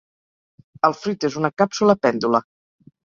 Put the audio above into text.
El fruit és una càpsula pèndula.